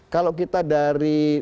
kalau kita dari